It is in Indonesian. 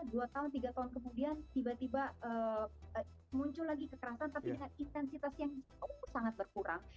dua tahun tiga tahun kemudian tiba tiba muncul lagi kekerasan tapi dengan intensitas yang sangat berkurang